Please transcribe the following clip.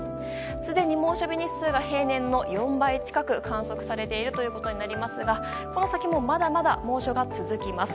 すでに猛暑日日数が平年の４倍近く観測されていますがこの先もまだまだ猛暑が続きます。